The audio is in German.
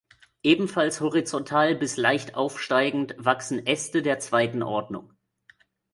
Ebenfalls horizontal bis leicht aufsteigend wachsen Äste der zweiten Ordnung.